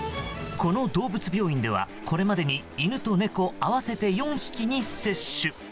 この動物病院ではこれまでに犬と猫合わせて４匹に接種。